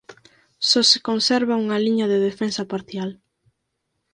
Só se conserva unha liña de defensa parcial.